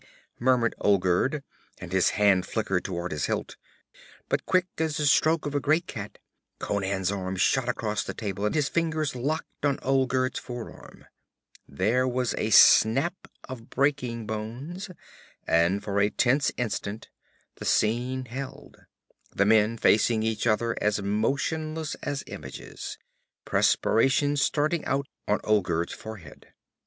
muttered Olgerd, and his hand flickered toward his hilt. But quick as the stroke of a great cat, Conan's arm shot across the table and his fingers locked on Olgerd's forearm. There was a snap of breaking bones, and for a tense instant the scene held: the men facing each other as motionless as images, perspiration starting out on Olgerd's forehead.